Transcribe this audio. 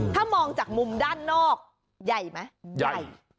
ถ้ามองจากมุมด้านนอกใหญ่ไหมใหญ่